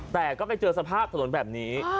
แต่ก็ไปเจอสภาพถนนแบบนี้